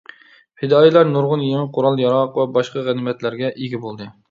پىدائىيلار نۇرغۇن يېڭى قورال-ياراغ ۋە باشقا غەنىيمەتلەرگە ئىگە بولدى.